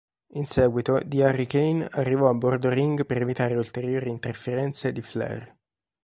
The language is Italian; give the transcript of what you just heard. In seguito, The Hurricane arrivò a bordo ring per evitare ulteriori interferenze di Flair.